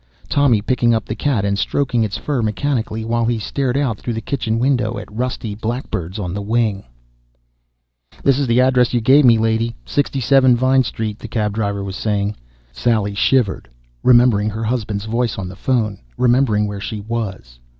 Tommy picking up the cat and stroking its fur mechanically, while he stared out through the kitchen window at rusty blackbirds on the wing ... "This is the address you gave me, lady. Sixty seven Vine Street," the cab driver was saying. Sally shivered, remembering her husband's voice on the phone, remembering where she was